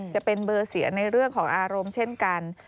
จะเป็นเบอร์เสียในเรื่องของอารมณ์เช่นกัน